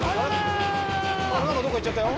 どっか行っちゃったよ。